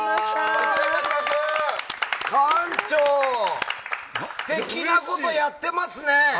館長素敵なことやってますね！